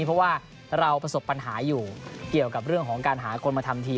เพราะว่าเราประสบปัญหาอยู่เกี่ยวกับเรื่องของการหาคนมาทำที